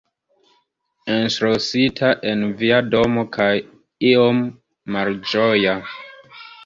enŝlosita en via domo kaj iom malĝoja